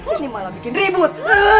ini malah bikin ribut